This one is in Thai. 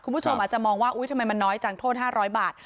คุณผู้ชมอาจจะมองว่าอุ๊ยทำไมมันน้อยจังโทษ๕๐๐บาท